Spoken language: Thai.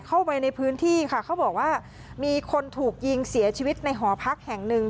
เข้าไปในพื้นที่ค่ะเขาบอกว่ามีคนถูกยิงเสียชีวิตในหอพักแห่งหนึ่ง